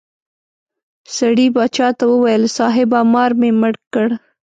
سړي باچا ته وویل صاحبه مار مې مړ کړ.